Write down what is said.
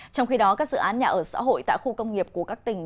trong khi đó các dự án nhà ở xã hội tại khu công nghiệp của các tỉnh